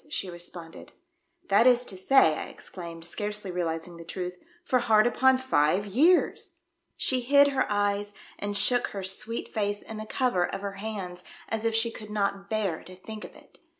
she responded. " That is to say," I exclaimed, scarcely realising the truth, "for hard upon five years !" She hid her eyes and shook her sweet face I TALK WITH MISS IMOGENE DUDLEY. 1 37 in the cover of her hands, as if she could not bear to think of it.